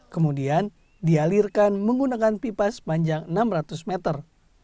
kemudian dialirkan menggunakan pipa sepanjang enam ratus meter